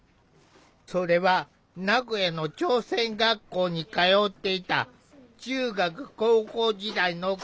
それは名古屋の朝鮮学校に通っていた中学高校時代の経験からだという。